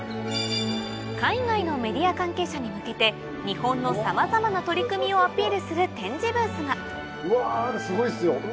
海外のメディア関係者に向けて日本のさまざまな取り組みをアピールする展示ブースがうわすごいっすよ